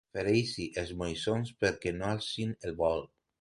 Fereixi els moixons perquè no alcin el vol.